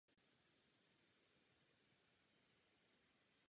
Ústí zprava do Dněpru.